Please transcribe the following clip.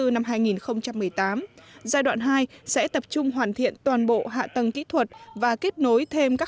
năm hai nghìn một mươi tám giai đoạn hai sẽ tập trung hoàn thiện toàn bộ hạ tầng kỹ thuật và kết nối thêm các